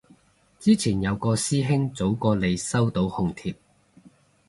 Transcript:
之前有個師兄早過你收到紅帖